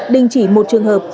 đình chỉ một trường hợp